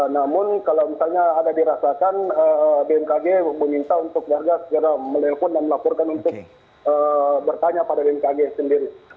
namun kalau misalnya ada dirasakan bmkg meminta untuk warga segera melelpon dan melaporkan untuk bertanya pada bmkg sendiri